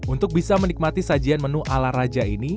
untuk bisa menikmati sajian menu ala raja ini